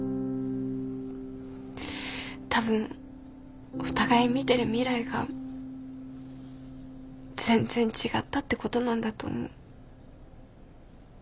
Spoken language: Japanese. たぶんお互い見てる未来が全然違ったってことなんだと思う。